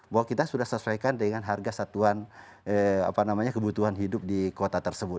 bahwa kita sudah sesuaikan dengan harga satuan kebutuhan hidup di kota tersebut